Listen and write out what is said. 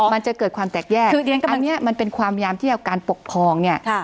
มันจะเกิดความแตกแยกอันนี้มันเป็นความยามที่เอาการปกครองเนี่ย